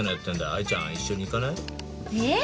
愛ちゃん一緒に行かない？ええ？